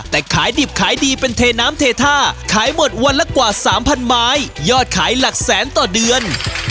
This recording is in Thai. แต่ขายดิบขายดีเป็นเทน้ำเทท่าขายหมดวันละกว่า๓๐๐ไม้ยอดขายหลักแสนต่อเดือน